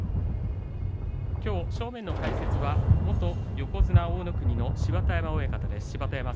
きょう正面の解説は元横綱大乃国の芝田山親方です。